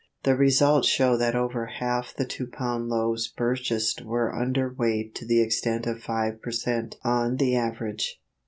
The results show that over half the two pound loaves purchased were under weight to the extent of five per cent. on the average.